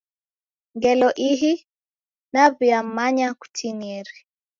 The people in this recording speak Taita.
Ngelo ihi, naw'uyamanya kutinieri.